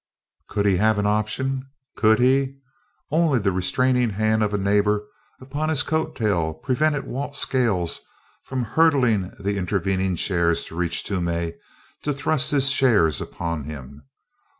Could he have an option? Could he! Only the restraining hand of a neighbor upon his coat tail prevented Walt Scales from hurdling the intervening chairs to reach Toomey to thrust his shares upon him.